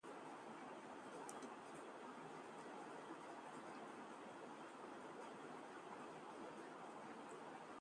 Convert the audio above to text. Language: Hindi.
मानसरोवर पार्क हत्याकांडः गार्ड के बेटे और दामाद ने अंजाम दी थी वारदात